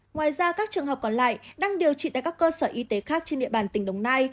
ngoài ra các trường hợp còn lại đang điều trị tại các cơ sở y tế khác trên địa bàn tỉnh đồng nai